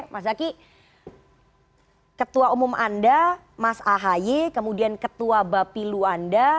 mas zaky ketua umum anda mas ahaye kemudian ketua bapilu anda